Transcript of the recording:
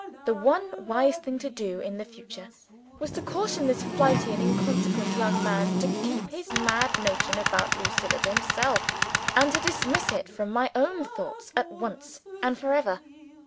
The one wise thing to do in the future, was to caution this flighty and inconsequent young man to keep his mad notion about Lucilla to himself and to dismiss it from my own thoughts, at once and for ever.